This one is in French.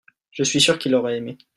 je suis sûr qu'il aurait aimé.